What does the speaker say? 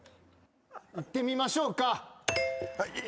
いってみましょうか。